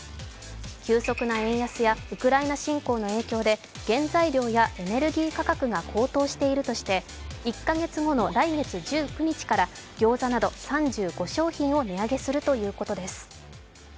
急速な円安やウクライナ侵攻の影響で原材料やエネルギー価格が高騰しているとして１か月後の来月１９日から餃子など３５商品を値上げするということです。